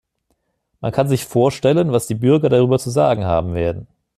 Man kann sich vorstellen, was die Bürger darüber zu sagen haben werden.